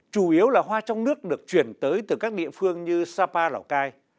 chủ yếu là hoa trong nước được chuyển tới từ các địa phương như sapa lào cai